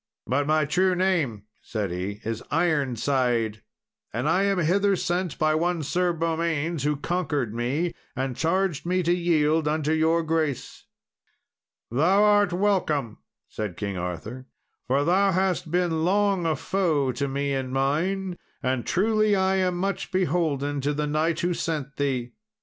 "But my true name," said he, "is Ironside, and I am hither sent by one Sir Beaumains, who conquered me, and charged me to yield unto your grace." "Thou art welcome," said King Arthur, "for thou hast been long a foe to me and mine, and truly I am much beholden to the knight who sent thee.